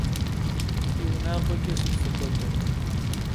Fi vunağueç'e sıt fıxuede?